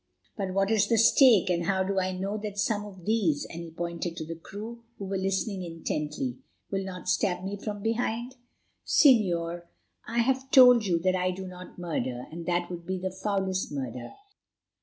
But what is the stake, and how do I know that some of these," and he pointed to the crew, who were listening intently, "will not stab me from behind?" "Señor, I have told you that I do not murder, and that would be the foulest murder.